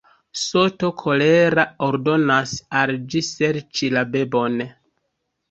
Soto, kolera, ordonas al ĝi serĉi la bebon.